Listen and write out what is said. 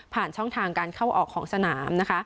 ผ่านช่องทางการเข้าออกของสนาม